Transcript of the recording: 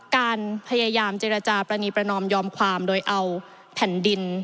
การพยายามเจรจาปรณีประนอมยอมความโดยเอาแผ่นดิน